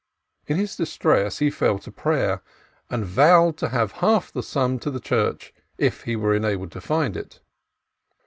In his distress he fell to prayer, and vowed to give half of the sum to the Church if he were enabled to find it.